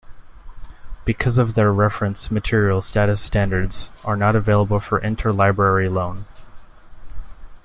Because of their reference material status standards are not available for interlibrary loan.